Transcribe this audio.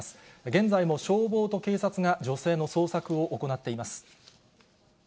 現在も消防と警察が女性の捜索を行っています。